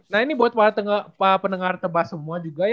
nah ini buat para pendengar tebak semua juga ya